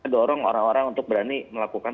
dorong orang orang untuk berani melakukan